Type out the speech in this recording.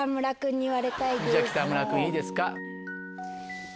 じゃ北村君いいですか？